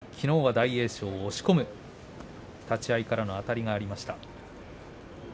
きのうは大栄翔を押し込む立ち合いからのあたりがありました。